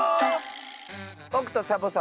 ぼくとサボさん